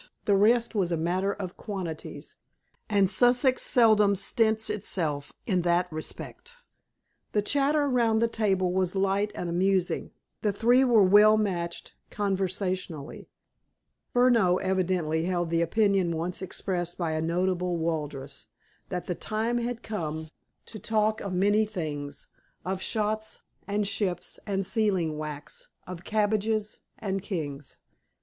The rest was a matter of quantities, and Sussex seldom stints itself in that respect. The chatter round the table was light and amusing. The three were well matched conversationally. Furneaux evidently held the opinion once expressed by a notable Walrus—that the time had come _To talk of many things: Of shoes—and ships—and sealing wax— Of cabbages—and kings.